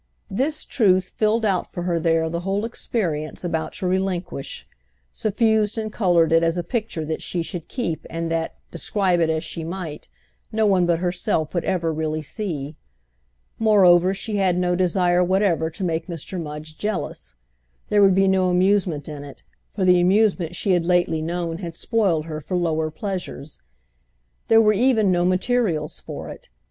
This truth filled out for her there the whole experience about to relinquish, suffused and coloured it as a picture that she should keep and that, describe it as she might, no one but herself would ever really see. Moreover she had no desire whatever to make Mr. Mudge jealous; there would be no amusement in it, for the amusement she had lately known had spoiled her for lower pleasures. There were even no materials for it.